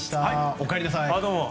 おかえりなさい。